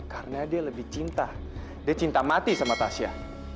karena dia lebih cinta dia cinta mati sama tasya